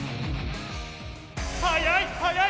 速い、速い。